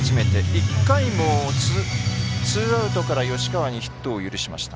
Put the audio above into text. １回もツーアウトから吉川にヒットを許しました。